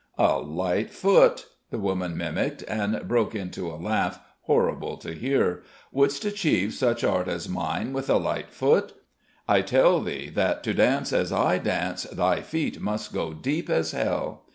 "A light foot!" the woman mimicked and broke into a laugh horrible to hear. "Wouldst achieve such art as mine with a light foot? I tell thee that to dance as I dance thy feet must go deep as hell!"